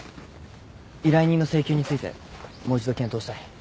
依頼人の請求についてもう一度検討したい。